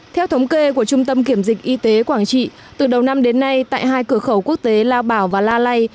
theo thống kê của trung tâm kiểm dịch y tế quảng trị từ đầu năm đến nay tại hai cửa khẩu quốc tế lao bảo và la lây